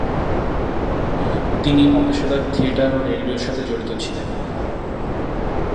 তিনি অপেশাদার থিয়েটার এবং রেডিওর সাথেও জড়িত ছিলেন।